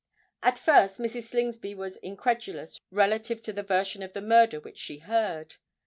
At first Mrs. Slingsby was incredulous relative to the version of the murder which she heard.